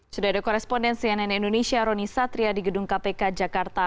sudah ada koresponden cnn indonesia roni satria di gedung kpk jakarta